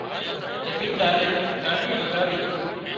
زمينۮارئي ڳاڏي مڳاوِي